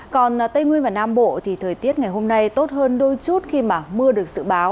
còn tây nguyên và nam bộ thì thời tiết ngày hôm nay tốt hơn đôi chút khi mà mưa được dự báo